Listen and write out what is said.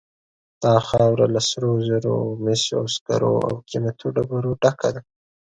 دا خاوره له سرو زرو، مسو، سکرو او قیمتي ډبرو ډکه ده.